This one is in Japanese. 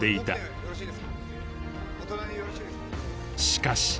しかし